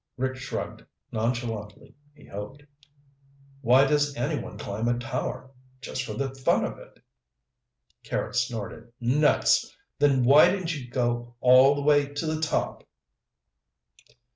Rick shrugged, nonchalantly, he hoped. "Why does anyone climb a tower? Just for the fun of it." Carrots snorted. "Nuts! Then why didn't you go all the way to the top?"